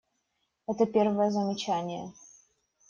Это первое замечание.